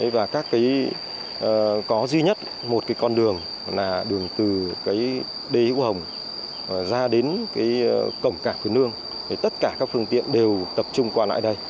và có duy nhất một con đường là đường từ đê hữu hồng ra đến cổng cảng quyền nương tất cả các phương tiện đều tập trung qua lại đây